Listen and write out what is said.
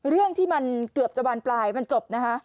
เรื่องที่มันเกือบจะบานปลายมันจบนะคะ